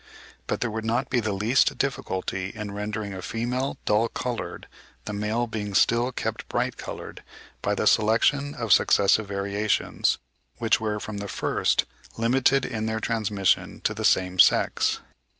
But there would not be the least difficulty in rendering a female dull coloured, the male being still kept bright coloured, by the selection of successive variations, which were from the first limited in their transmission to the same sex.